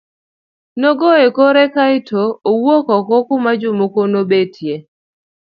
Nogoyo kore kae to owuok oko kuma jomoko nobetie.